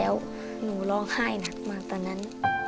เราก็ร้องไห้หนักมากตอนนั้น